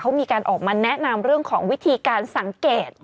เขามีการออกมาแนะนำเรื่องของวิธีการสังเกต